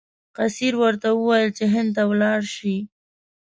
قیصر ورته وویل چې هند ته ولاړ شي.